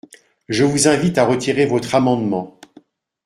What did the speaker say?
Je vous invite à retirer votre amendement.